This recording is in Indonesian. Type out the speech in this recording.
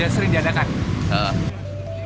ya sering diadakan